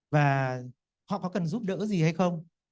và họ có cần giúp đỡ gì hay không